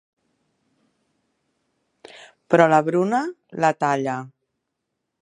Però la Bruna la talla.